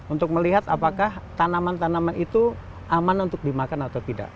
untuk melihat apakah tanaman tanaman itu aman untuk dimakan atau tidak